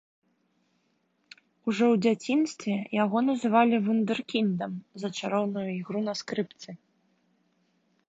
Ужо ў дзяцінстве яго называлі вундэркіндам за чароўную ігру на скрыпцы.